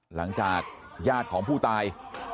หลังจากญาติของผู้ตาย